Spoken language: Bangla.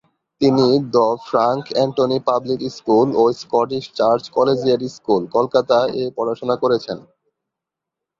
তিনি the Frank Anthony Public School ও স্কটিশ চার্চ কলেজিয়েট স্কুল, কলকাতা-এ পড়াশোনা করেছেন।